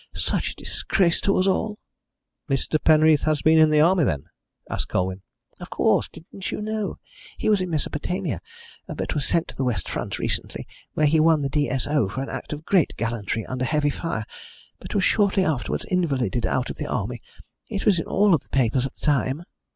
Such a disgrace to us all!" "Mr. Penreath has been in the Army, then?" asked Colwyn. "Of course. Didn't you know? He was in Mesopotamia, but was sent to the West Front recently, where he won the D.S.O. for an act of great gallantry under heavy fire, but was shortly afterwards invalided out of the Army. It was in all the papers at the time."